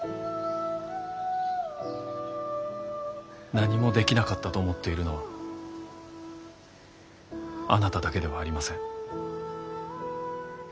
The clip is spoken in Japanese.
何もできなかったと思っているのはあなただけではありません。